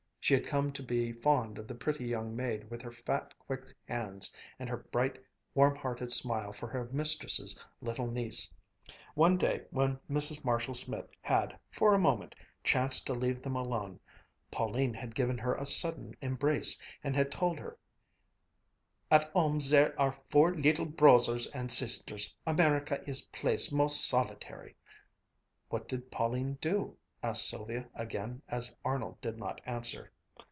She had come to be fond of the pretty young maid with her fat, quick hands and her bright, warm hearted smile for her mistress' little niece. One day, when Mrs. Marshall Smith had, for a moment, chanced to leave them alone, Pauline had given her a sudden embrace, and had told her: "At 'ome zere are four leetle brozers and sisters. America is a place mos' solitary!" "What did Pauline do?" asked Sylvia again as Arnold did not answer.